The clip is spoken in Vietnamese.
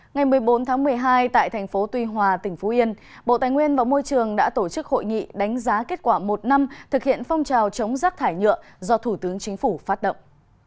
ngày một mươi bốn tháng một mươi hai tại thành phố tuy hòa tỉnh phú yên bộ tài nguyên và môi trường đã tổ chức hội nghị đánh giá kết quả một năm thực hiện phong trào chống rác thải nhựa do thủ tướng chính phủ phát động